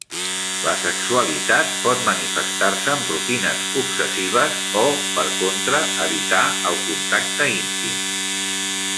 La sexualitat pot manifestar-se amb rutines obsessives o, per contra, evitar el contacte íntim.